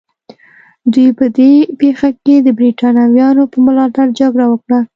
دوی په دې پېښه کې د برېټانویانو په ملاتړ جګړه وکړه.